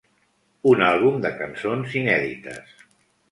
Un àlbum de cançons inèdites.